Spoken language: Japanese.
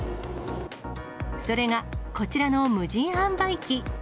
それがこちらの無人販売機。